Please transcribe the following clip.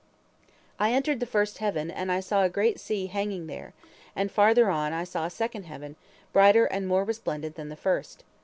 "I entered the first heaven, and I saw a great sea hanging there, and farther on I saw a second heaven, brighter and more resplendent than the first.